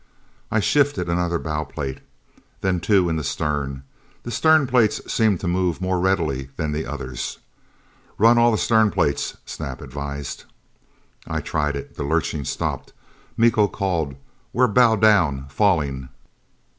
I shifted another bow plate. Then two in the stern. The stern plates seemed to move more readily than the others. "Run all the stern plates," Snap advised. I tried it. The lurching stopped. Miko called, "We're bow down. Falling!"